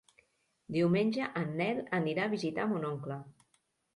Diumenge en Nel anirà a visitar mon oncle.